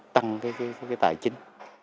tăng cái cái cái cái tài chính